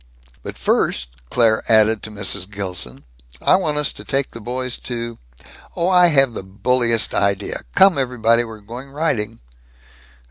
"But first," Claire added to Mrs. Gilson, "I want us to take the boys to Oh, I have the bulliest idea. Come, everybody. We're going riding."